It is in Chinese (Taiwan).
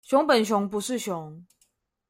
熊本熊不是熊